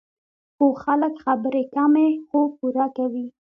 پوه خلک خبرې کمې، خو پوره کوي.